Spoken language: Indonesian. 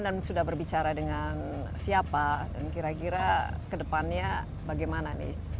dan sudah berbicara dengan siapa dan kira kira kedepannya bagaimana nih